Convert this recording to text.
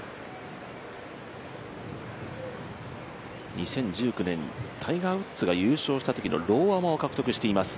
２０１９年、タイガー・ウッズが優勝したときのローアマを獲得しています。